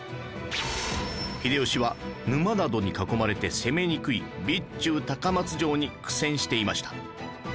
秀吉は沼などに囲まれて攻めにくい備中高松城に苦戦していました